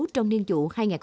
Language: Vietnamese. trong nền vụ